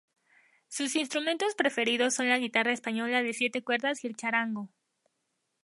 Sus instrumentos preferidos son la guitarra española de siete cuerdas y el charango.